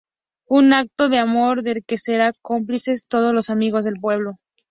Un acto de amor del que serán cómplices todos los amigos del pueblo.